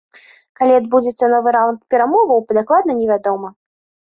Калі адбудзецца новы раўнд перамоваў, дакладна невядома.